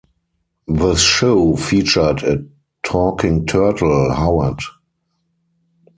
The show featured a talking turtle, Howard.